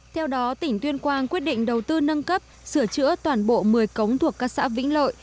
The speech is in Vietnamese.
theo đó tỉnh tuyên quang quyết định đầu tư nâng cấp sửa chữa toàn bộ một mươi cống thuộc các xã vĩnh lợi